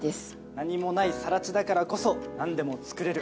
何もない更地だからこそ何でもつくれる。